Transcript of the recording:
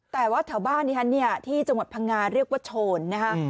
แต่ว่าแถวบ้านนี้ที่จังหวัดพังงาเรียกว่าโฉนนะฮะ